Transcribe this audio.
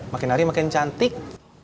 makin hari makin cantik